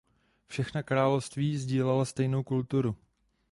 Všechna království sdílela stejnou kulturu.